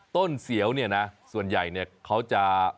ต้นสีอาเลยส่วนใหญ่เนี่ย